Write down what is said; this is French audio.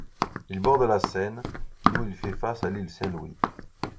Il borde la Seine, d'où il fait face à l'île Saint-Louis.